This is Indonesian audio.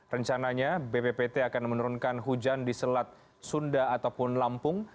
rencananya bppt akan menurunkan hujan di selat sunda ataupun lampung